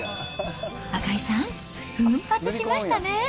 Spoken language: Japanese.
赤井さん、奮発しましたね。